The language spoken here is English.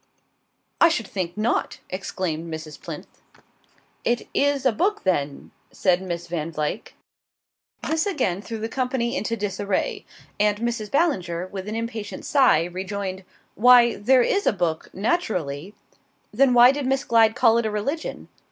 "I should think not!" exclaimed Mrs. Plinth. "It is a book, then?" said Miss Van Vluyck. This again threw the company into disarray, and Mrs. Ballinger, with an impatient sigh, rejoined: "Why there is a book naturally...." "Then why did Miss Glyde call it a religion?"